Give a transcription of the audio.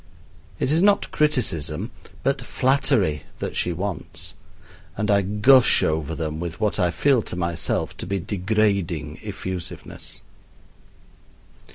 It is not criticism, but flattery that she wants; and I gush over them with what I feel to myself to be degrading effusiveness.